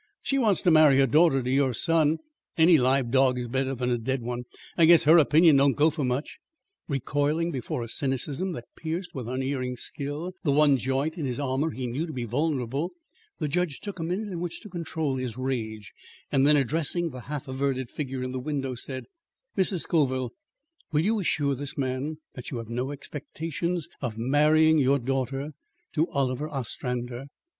"She wants to marry her daughter to your son. Any live dog is better than a dead one; I guess her opinion don't go for much." Recoiling before a cynicism that pierced with unerring skill the one joint in his armour he knew to be vulnerable, the judge took a minute in which to control his rage and then addressing the half averted figure in the window said: "Mrs. Scoville, will you assure this man that you have no expectations of marrying your daughter to Oliver Ostrander?"